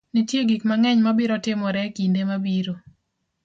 Nitie gik mang'eny ma biro timore e kinde mabiro.